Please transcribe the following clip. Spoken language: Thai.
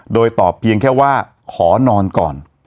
โดยตอบเพียงแค่ว่าขอนอนก่อน